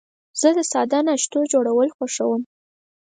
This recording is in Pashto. زه د ساده ناشتو جوړول خوښوم.